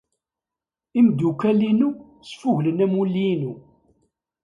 Imeddukal-inu sfuglen amulli-inu.